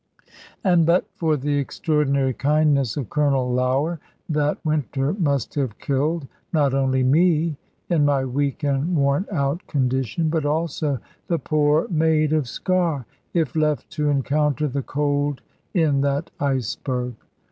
And but for the extraordinary kindness of Colonel Lougher, that winter must have killed not only me in my weak and worn out condition, but also the poor maid of Sker, if left to encounter the cold in that iceberg.